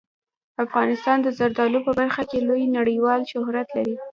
افغانستان د زردالو په برخه کې لوی نړیوال شهرت لري.